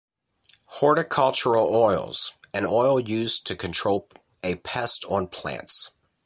Horticultural oils: An oil used to control a pest on plants.